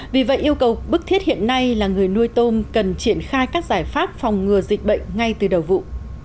vì vậy yêu cầu bức thiết hiện nay là người nuôi tôm cần triển khai các giải pháp phòng ngừa dịch bệnh ngay từ đầu vụ